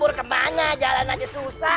eh tapi lanjut